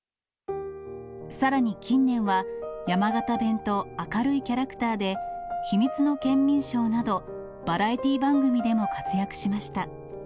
さらに近年は、山形弁と明るいキャラクターで、秘密のケンミンＳＨＯＷなどバラエティ番組でも活躍しました。